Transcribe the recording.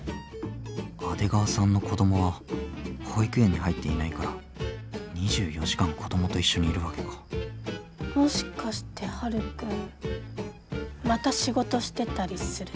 阿出川さんの子供は保育園に入っていないから２４時間子供と一緒にいるわけかもしかしてはるくんまた仕事してたりする？